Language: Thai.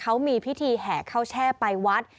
เขามีพิธีแห่ข้าวแช่ไปวัด